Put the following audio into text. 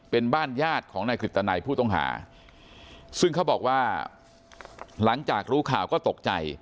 เป็นบ้านญาติของนายกฤตนัยผู้ต้องหาซึ่งเขาบอกว่าหลังจากรู้ข่าวก็ตกใจ